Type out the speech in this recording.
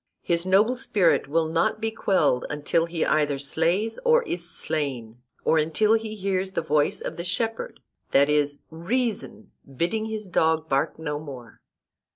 His noble spirit will not be quelled until he either slays or is slain; or until he hears the voice of the shepherd, that is, reason, bidding his dog bark no more.